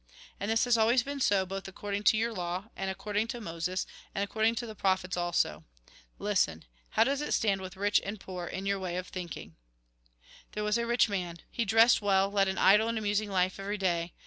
And this has always been so, both according to your law, and according to Moses, and according to the prophets also. Listen. How 84 THE GOSPEL IN BRIEF does it stand with rich and poor in your way of thinking ?" There was a rich man. He dressed well, led an idle and amusing life every day.